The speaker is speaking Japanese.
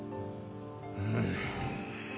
うん。